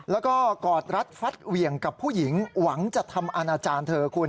แล้วก็กอดรัดฟัดเหวี่ยงกับผู้หญิงหวังจะทำอาณาจารย์เธอคุณ